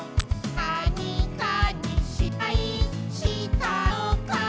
「なにかにしっぱいしたのかな」